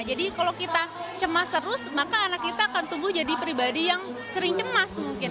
jadi kalau kita cemas terus maka anak kita akan tumbuh jadi pribadi yang sering cemas mungkin